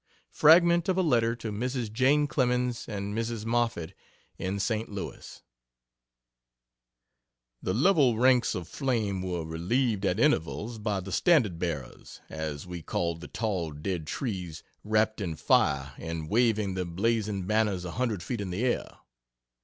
Fragment of a letter to Mrs. Jane Clemens and Mrs. Moffett, in St. Louis: ... The level ranks of flame were relieved at intervals by the standard bearers, as we called the tall dead trees, wrapped in fire, and waving their blazing banners a hundred feet in the air.